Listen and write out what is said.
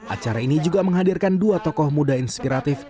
acara ini juga menghadirkan dua tokoh muda inspiratif